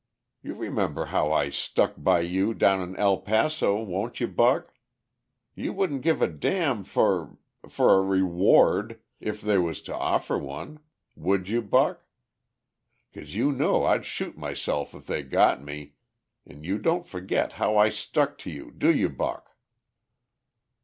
You'd remember how I stuck by you down in El Paso, won't you, Buck? You wouldn't give a damn for ... for a reward if they was to offer one, would you, Buck? 'Cause you know I'd shoot myself if they got me, an' you don't forget how I stuck to you, do you, Buck?"